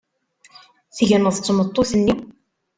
Tegneḍ d tmeṭṭut-nni?